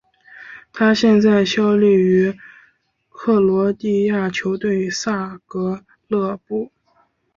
他现在效力于克罗地亚球队萨格勒布。